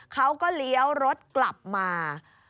เขาก็เลี้ยวรถกลับมา